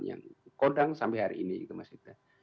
yang kondang sampai hari ini itu mas yuda